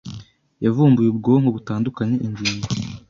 yavumbuye ubwoko butandukanye ingingo